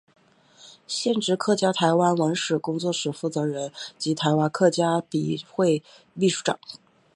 现职客家台湾文史工作室负责人及台湾客家笔会秘书长。